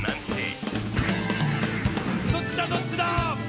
「どっちだどっちだ」